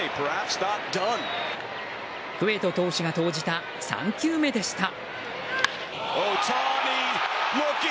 クエト投手が投じた３球目でした。